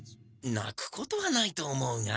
なくことはないと思うが。